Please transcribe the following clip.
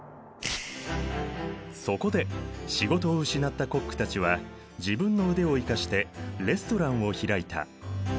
そこで仕事を失ったコックたちは自分の腕を生かしてレストランを開いた。